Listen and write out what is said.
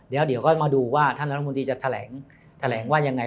เดี๋ยวก็มาดูว่าท่านรัฐมนตรีจะแถลงว่ายังไง